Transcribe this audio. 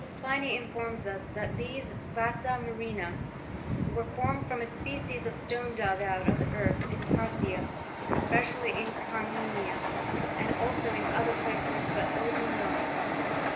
Pliny informs us that these vasa murrhina were formed from a species of stone dug out of the earth in Parthia, and especially in Carimania, and also in other places but little known.